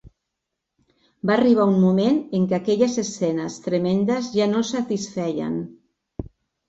Va arribar un moment en què aquelles escenes tremendes ja no el satisfeien.